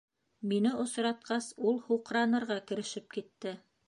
Мине осратҡас, ул һуҡранырға керешеп китте: